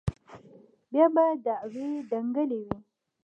بيا به دعوې دنگلې وې.